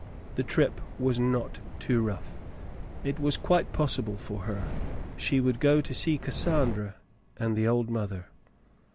The trip was not too rough. It was quite possible for her. She would go to see Cassandra and the old mother.